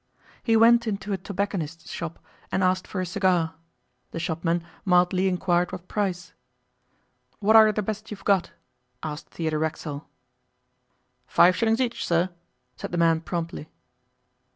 He went into a tobacconist's shop and asked for a cigar. The shopman mildly inquired what price. 'What are the best you've got?' asked Theodore Racksole. 'Five shillings each, sir,' said the man promptly.